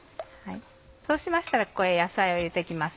そうしましたらここへ野菜を入れて行きます。